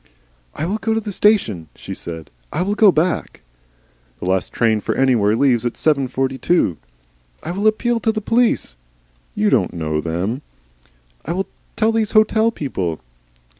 "I will go to the station," she said. "I will go back " "The last train for anywhere leaves at 7.42." "I will appeal to the police " "You don't know them." "I will tell these hotel people."